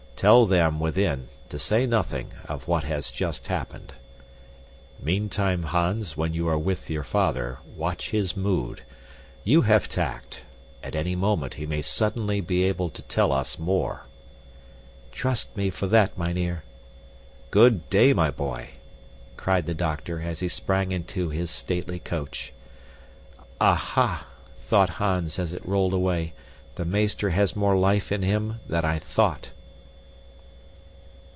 "Tell them, within, to say nothing of what has just happened. Meantime, Hans, when you are with his father, watch his mood. You have tact. At any moment he may suddenly be able to tell us more." "Trust me for that, mynheer." "Good day, my boy!" cried the doctor as he sprang into his stately coach. Aha! thought Hans as it rolled away, the meester has more life in him than I thought.